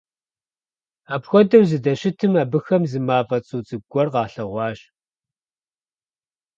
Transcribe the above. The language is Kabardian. Апхуэдэу зыдэщытым, абыхэм зы мафӀэ цӀу цӀыкӀу гуэр къалъэгъуащ.